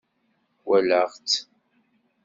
Wallaɣ-tt